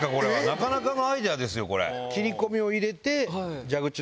なかなかのアイデアですよ。